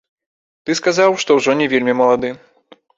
Ты сказаў, што ўжо не вельмі малады.